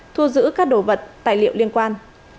thu giữ các đồ vật tài liệu liên quan